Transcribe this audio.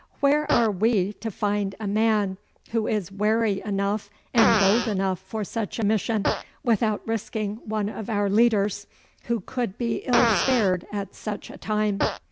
Where are we to find a man who is wary enough and bold enough for such a mission, without risking one of our leaders, who could be ill spared at such a time?